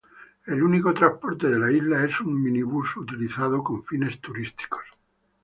El único transporte de la isla es un minibús utilizado con fines turísticos.